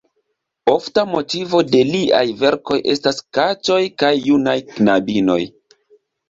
Ofta motivo de liaj verkoj estas katoj kaj junaj knabinoj.